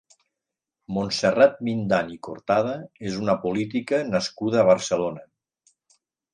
Montserrat Mindan i Cortada és una política nascuda a Barcelona.